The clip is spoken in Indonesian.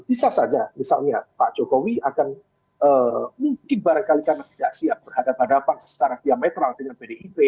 bisa saja misalnya pak jokowi akan mungkin barangkali karena tidak siap berhadapan hadapan secara diametral dengan pdip